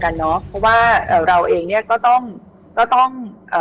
กันเนาะเพราะว่าเราเองเนี่ยก็ต้อง